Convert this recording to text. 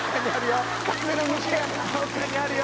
「どこかにあるよ。